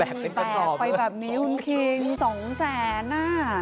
ไม่มีแปลกไปแบบนี้อุ้มคิงสองแสนหน่า